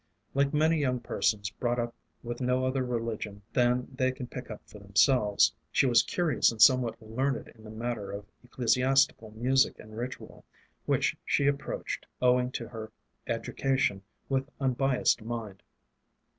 Like many young persons brought up with no other religion than they can pick up for themselves, she was curious and somewhat learned in the matter of ecclesiastical music and ritual, which she approached, owing to her education, with unbiased mind.